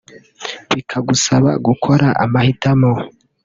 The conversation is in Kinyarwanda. bikagusaba gukora amahitamo